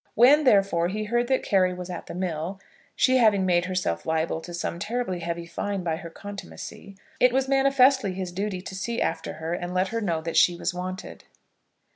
When, therefore, he heard that Carry was at the mill, she having made herself liable to some terribly heavy fine by her contumacy, it was manifestly his duty to see after her and let her know that she was wanted.